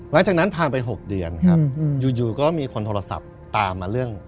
หลังจากนั้นผ่านไป๖เดือนครับอยู่ก็มีคนโทรศัพท์ตามมาเรื่อง